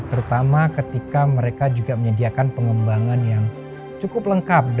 terutama ketika mereka juga menyediakan pengembangan yang cukup lengkap